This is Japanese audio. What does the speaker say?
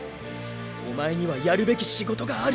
おまえにはやるべき仕事がある。